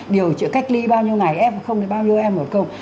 điều trị cách ly bao nhiêu ngày f là bao nhiêu m một công